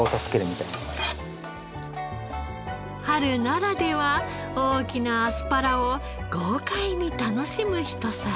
春ならでは大きなアスパラを豪快に楽しむ一皿。